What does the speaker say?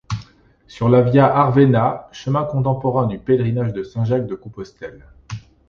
Sur la Via Arvernha chemin contemporain du pèlerinage de Saint-Jacques-de-Compostelle.